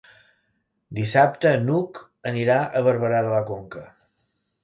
Dissabte n'Hug anirà a Barberà de la Conca.